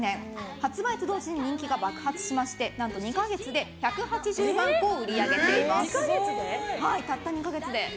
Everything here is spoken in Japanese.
発売と同時に人気が爆発しまして何と２か月で１８０万個売り上げています。